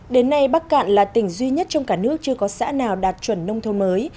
đến nay bắc cạn là tỉnh duy nhất trong cả nước chưa có xã nào đạt chuẩn nông thôn mới